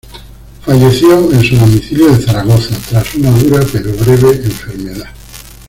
Falleció en su domicilio de Zaragoza, tras una dura pero breve enfermedad.